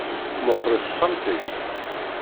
Meqqret texxamt-ik.